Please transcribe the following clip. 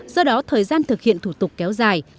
do đó thời gian thực hiện thủ tục kéo dài